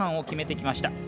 決めてきました。